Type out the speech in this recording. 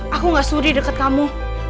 aku gak suri deket kamu